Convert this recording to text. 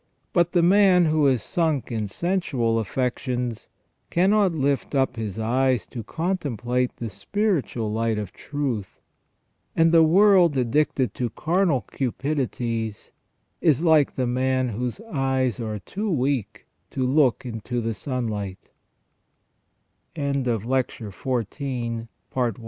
But the man who is sunk in sensual affections cannot lift up his eyes to contemplate the spiritual light of truth, and the world addicted to carnal cupidities is like the man whose eyes are too weak to look into the sun li